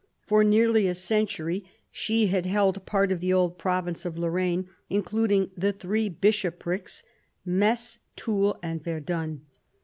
For nearly a century she had held part of the old province of Lorraine, including the " Three Bishoprics," Metz, Toul, and Verdun.